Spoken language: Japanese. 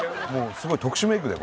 すごい特殊メイクだよ